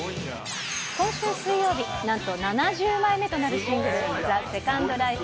今週水曜日、なんと７０枚目となるシングル、ザ・セカンドライフ